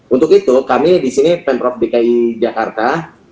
untuk itu kami di sini pemprov dki jakarta